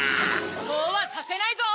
そうはさせないぞ！